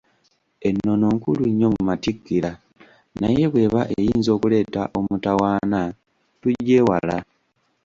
Ennono nkulu nnyo mu Matikkira naye bw'eba eyinza okuleeta omutawaana, tugyewala.